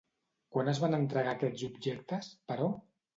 Quan es van entregar aquests objectes, però?